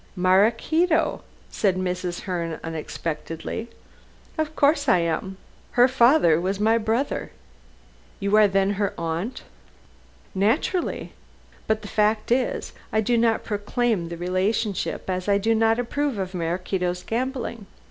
"Maraquito," said Mrs. Herne unexpectedly. "Of course I am. Her father was my brother." "You are then her aunt?" "Naturally. But the fact is, I do not proclaim the relationship, as I do not approve of Maraquito's gambling.